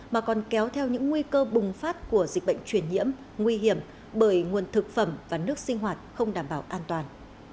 mà còn kéo theo những nguy cơ bùng phát của dịch bệnh truyền nhiễm nguy hiểm bởi nguồn thực phẩm và nước sinh hoạt không đảm bảo an toàn